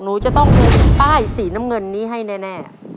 หนูจะต้องผูกป้ายสีน้ำเงินนี้ให้แน่